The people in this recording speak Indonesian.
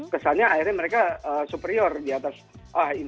kesannya akhirnya mereka superior di atas